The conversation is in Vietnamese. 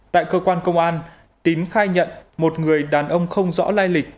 tại cơ quan công an tín khai nhận một người đàn ông không rõ lai lịch